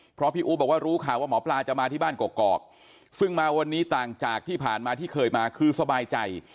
เพราะพี่อู๋บอกว่ารู้ข่าวว่าหมอปลาจะมาที่บ้านกอกซึ่งมาวันนี้ต่างจากที่ผ่านมาที่เคยมาคือสบายใจ